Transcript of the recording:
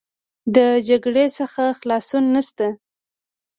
د جګړې څخه خلاصون نشته.